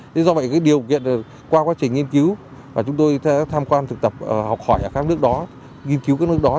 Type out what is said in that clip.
thế do vậy cái điều kiện qua quá trình nghiên cứu và chúng tôi tham quan thực tập học hỏi ở các nước đó nghiên cứu các nước đó